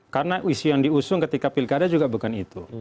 karena isu yang diusung ketika pilkada juga bukan itu